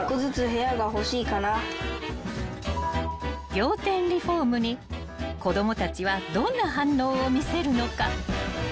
［仰天リフォームに子供たちはどんな反応を見せるのか］